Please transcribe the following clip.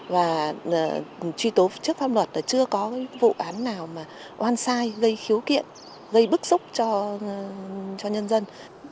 và truy tố trước pháp luật là chưa có vụ án nào mà oan sai gây khiếu kiện gây bức xúc cho nhân dân